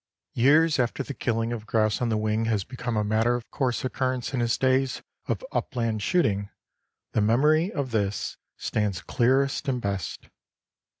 Years after the killing of grouse on the wing has become a matter of course occurrence in his days of upland shooting, the memory of this stands clearest and best.